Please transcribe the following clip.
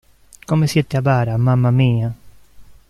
Come siete avara, mamma mia!